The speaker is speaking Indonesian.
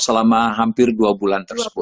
selama hampir dua bulan tersebut